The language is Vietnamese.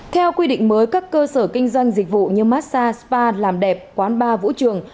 theo quy định mới các cơ sở kinh doanh dịch vụ như massag spa làm đẹp quán bar vũ trường